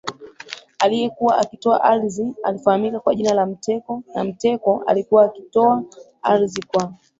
aliyekuwa akitoa ardhi alifahamika kwa jina la Mteko Na mteko alikuwa akitoa ardhi kwa